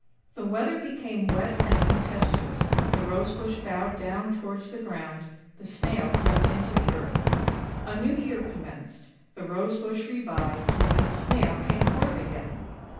The weather became wet and tempestuous, the Rose bush bowed down towards the ground, the Snail crept into the earth. A new year commenced, the Rose bush revived, and the Snail came forth again.